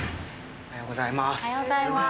おはようございます。